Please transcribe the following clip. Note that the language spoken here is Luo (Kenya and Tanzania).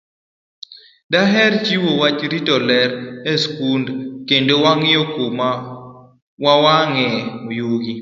Daher jiwo wach rito ler e skundwa, kendo wang'iyo kama wawang'oe yugi.